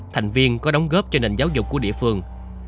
thành viên có đóng góp cho nền giáo dục của địa phương